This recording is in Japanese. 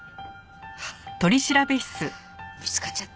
はあ見つかっちゃった？